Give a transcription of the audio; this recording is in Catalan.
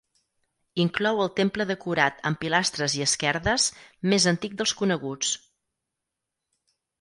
Inclou el temple decorat amb pilastres i esquerdes més antic dels coneguts.